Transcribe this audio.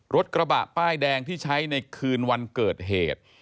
รถกระบะป้ายแดงที่ใช้ในคืนวันเกิดเหตุ